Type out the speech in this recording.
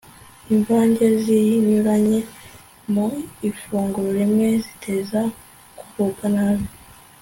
Imvange zinyuranye mu ifunguro rimwe ziteza kugubwa nabi